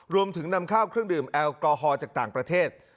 นำข้าวเครื่องดื่มแอลกอฮอลจากต่างประเทศ